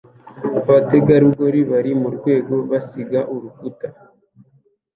abategarugori bari murwego basiga urukuta